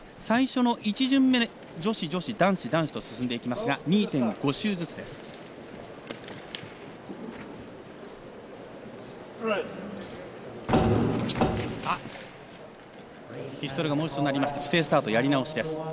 最初の１順目、女子、女子男子、男子と進んでいきますが２．５周ずつです。